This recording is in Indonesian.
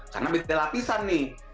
karena berarti latisan nih